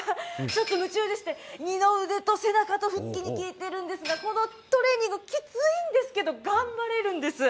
ちょっと夢中でして、二の腕と背中と腹筋に効いてるんですが、このトレーニング、きついんですけど、頑張れるんです。